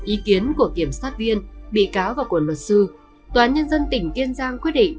ý kiến của kiểm sát viên bị cáo và của luật sư tòa nhân dân tỉnh kiên giang quyết định